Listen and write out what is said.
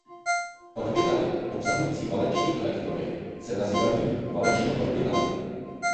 Orbitaly obsahující valenční elektrony se nazývají valenční orbitaly.